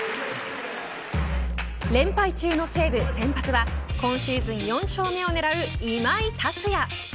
連敗中の西武、先発は今シーズン４勝目を狙う今井達也。